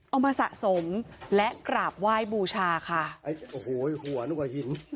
เอามาสะสมและกราบไหว้บูชาค่ะ